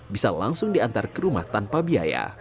bisa langsung diantar ke rumah tanpa biaya